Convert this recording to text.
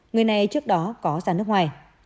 người này trước đó có ra nước ngoài